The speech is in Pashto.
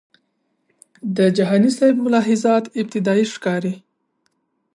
د جهانی سیب ملاحظات ابتدایي ښکاري.